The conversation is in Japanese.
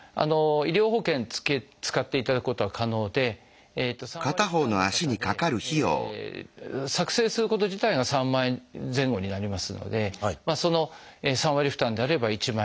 医療保険使っていただくことは可能で３割負担の方で作製すること自体が３万円前後になりますのでその３割負担であれば１万円ぐらい。